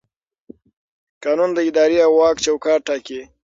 قانون د ادارې د واک چوکاټ ټاکي.